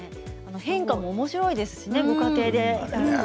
変化もおもしろいですしねご家庭でやったら。